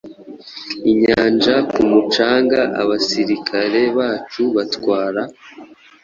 Inyanja ku mucanga abasirikare bacu batwara